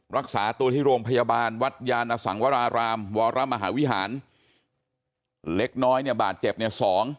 รักษาตัวที่โรงพยาบาลวัดยานสังวรารามวรมหาวิหารเล็กน้อยเนี่ยบาดเจ็บเนี่ย๒